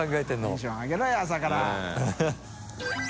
テンション上げろよ朝から。